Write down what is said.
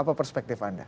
apa perspektif anda